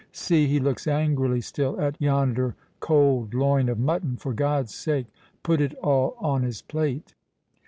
—See, he looks angrily still at yonder cold loin of mutton—for God's sake put it all on his plate!"